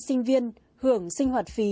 sinh viên hưởng sinh hoạt phí